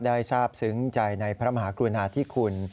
ทราบซึ้งใจในพระมหากรุณาธิคุณ